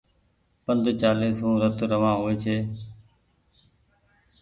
پند چآلي سون رت روآن هووي ڇي۔